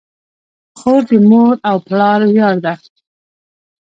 خور د مور او پلار ویاړ ده.